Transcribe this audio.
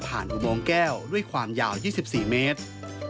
อุโมงแก้วด้วยความยาว๒๔เมตร